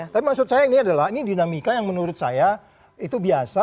tapi maksud saya ini adalah ini dinamika yang menurut saya itu biasa